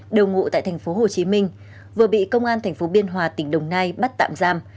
đồng ngụ tại thành phố hồ chí minh vừa bị công an thành phố biên hòa tỉnh đồng nai bắt tạm giam